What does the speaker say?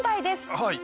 はい。